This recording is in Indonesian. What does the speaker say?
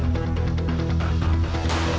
jadi dia poes saya